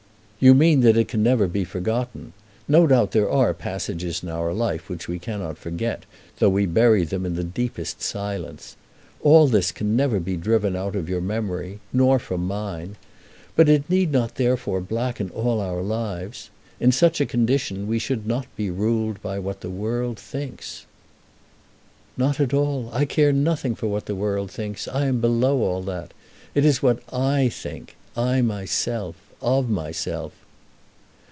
"You mean that it can never be forgotten. No doubt there are passages in our life which we cannot forget, though we bury them in the deepest silence. All this can never be driven out of your memory, nor from mine. But it need not therefore blacken all our lives. In such a condition we should not be ruled by what the world thinks." "Not at all. I care nothing for what the world thinks. I am below all that. It is what I think: I myself, of myself."